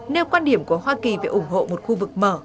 nêu quan điểm của hoa kỳ về ủng hộ một khu vực mở